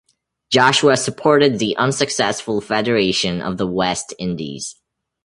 Joshua supported the unsuccessful Federation of the West Indies.